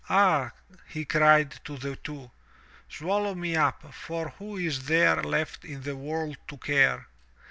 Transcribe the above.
"Ah," he cried to the two, "swallow me up, for who is there left in the world to care?"